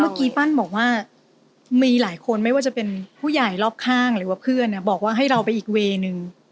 ปั้นบอกว่ามีหลายคนไม่ว่าจะเป็นผู้ใหญ่รอบข้างหรือว่าเพื่อนบอกว่าให้เราไปอีกเวย์หนึ่ง